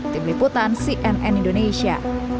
tim liputan cnn indonesia